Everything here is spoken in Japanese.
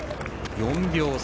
４秒差。